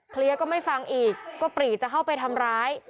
เคลียร์ก็ไม่ฟังอีกก็ปรีกจะเข้าไปทำร้าย